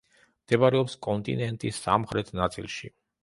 მდებარეობს კონტინენტის სამხრეთ ნაწილში.